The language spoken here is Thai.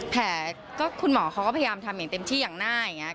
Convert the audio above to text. แผลก็คุณหมอเขาก็พยายามทำอย่างเต็มที่อย่างหน้าอย่างนี้